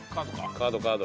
カードカード。